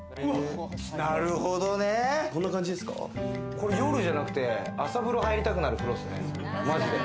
なるほどね。これ夜じゃなくて、朝風呂入りたくなる風呂ですね。